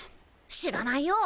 知らないよ。